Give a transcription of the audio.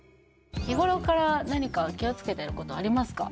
日頃から何か気をつけてることありますか？